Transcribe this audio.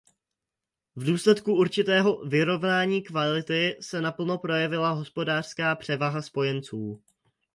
V důsledku určitého vyrovnání kvality se naplno projevila hospodářská převaha Spojenců.